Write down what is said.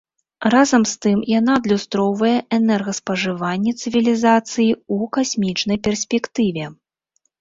Разам з тым, яна адлюстроўвае энергаспажыванне цывілізацыі ў касмічнай перспектыве.